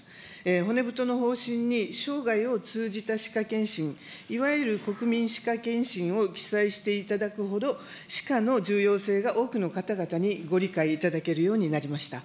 骨太の方針に生涯を通じた歯科けんしん、いわゆる国民歯科けんしんを記載していただくほど、歯科の重要性が多くの方々にご理解いただけるようになりました。